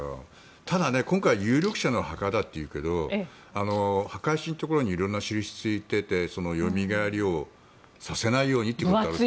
ただ、今回有力者の墓だというけど墓石のところに色々な模様がついていてよみがえりをさせないようにとか。